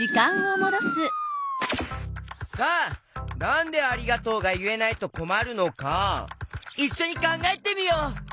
さあなんで「ありがとう」がいえないとこまるのかいっしょにかんがえてみよう！